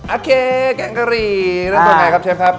โอเคแกงกะหรี่เริ่มทำยังไงครับเชฟครับ